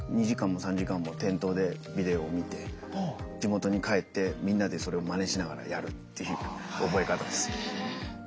２時間も３時間も店頭でビデオを見て地元に帰ってみんなでそれをまねしながらやるっていう覚え方です。